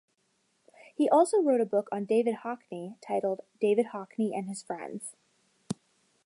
He also wrote a book on David Hockney titled "David Hockney and his Friends".